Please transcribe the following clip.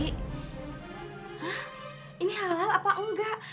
hah ini halal apa enggak